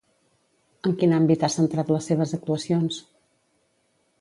En quin àmbit ha centrat les seves actuacions?